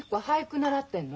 習ってんの？